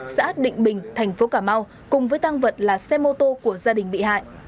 xã định bình thành phố cà mau cùng với tăng vật là xe mô tô của gia đình bị hại